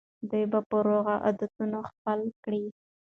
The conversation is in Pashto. دوی به روغ عادتونه خپل کړي.